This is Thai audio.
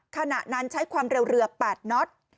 ขณะนั้นใช้ความเร็วเรือ๘น็อต